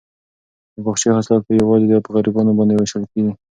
د باغچې حاصلات به یوازې په غریبانو باندې وېشل کیږي.